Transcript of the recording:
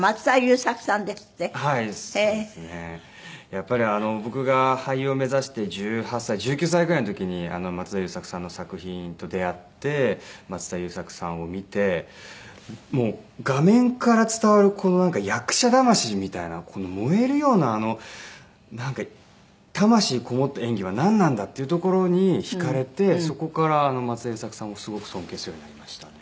やっぱり僕が俳優を目指して１８歳１９歳ぐらいの時に松田優作さんの作品と出会って松田優作さんを見てもう画面から伝わる役者魂みたいな燃えるような魂こもった演技はなんなんだっていうところにひかれてそこから松田優作さんをすごく尊敬するようになりましたね。